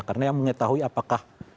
karena yang mengetahui apakah